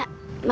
gak usah nya